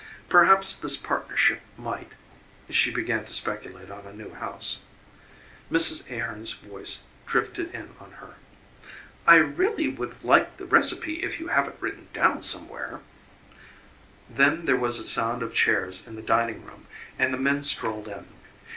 Perhaps this partnership might ... she began to speculate on a new house ... Mrs. Ahearn's voice drifted in on her: "I really would like the recipe if you have it written down somewhere " Then there was a sound of chairs in the dining room and the men strolled in.